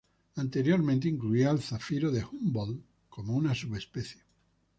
Anteriormente incluía al zafiro de Humboldt como una subespecie.